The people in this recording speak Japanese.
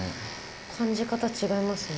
感じ方違いますね。